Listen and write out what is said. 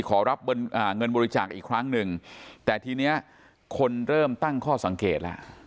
ขอรับเงินบริจาคอีกครั้งหนึ่งแต่ทีนี้คนเริ่มตั้งข้อสังเกตแล้ว